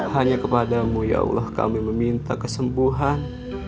hanya kepadamu ya allah kami meminta kesembuhan